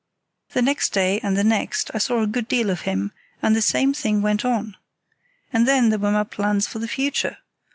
"The next day and the next I saw a good deal of him, and the same thing went on. And then there were my plans for the future.